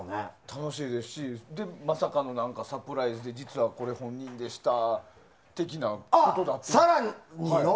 楽しいですしまさかのサプライズで、実はこれ、本人でした！